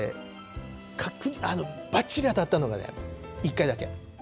ばっちり当たったのは１回だけ。